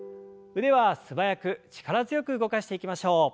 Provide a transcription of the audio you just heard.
腕は素早く力強く動かしていきましょう。